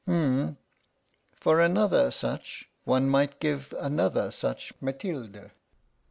H'm! for another such one might give another such Mathilde!"